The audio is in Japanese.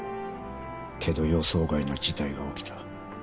けど予想外の事態が起きた。